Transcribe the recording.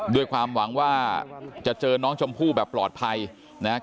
ด้วยความหวังว่าจะเจอน้องชมพู่แบบปลอดภัยนะครับ